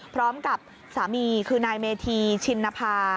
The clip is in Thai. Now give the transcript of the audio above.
พร้อมกับสามีคือนายเมธีชินภา